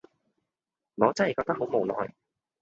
我真係覺得好無奈